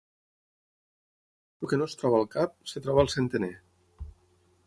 El que no es troba al cap, es troba al centener.